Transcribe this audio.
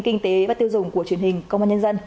kinh tế và tiêu dùng của truyền hình công an nhân dân